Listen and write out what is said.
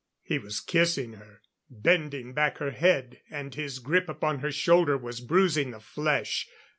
He was kissing her, bending back her head, and his grip upon her shoulder was bruising the flesh.